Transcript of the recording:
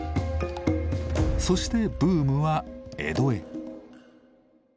そしてブームは江戸へ。